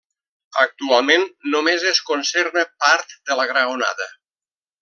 Actualment només es conserva part de la graonada.